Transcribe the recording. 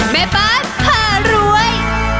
แม่บ้านผ่ารวย